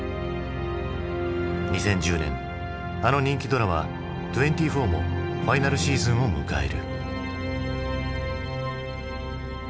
２０１０年あの人気ドラマ「２４−ＴＷＥＮＴＹＦＯＵＲ−」もファイナルシーズンを迎える。